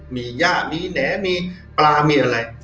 มีหญ้ามีแนะมีปลามีอะไร